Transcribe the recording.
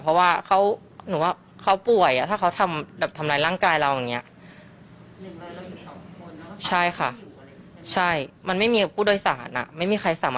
เพราะว่าเค้าหนูว่าเค้าป่วยอ่ะถ้าเค้าทำหรือทำร้ายร่างกายเราอย่างเงี้ย